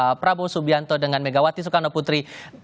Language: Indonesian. pertemuan antara pak prabowo subianto dengan megawati sukarno putri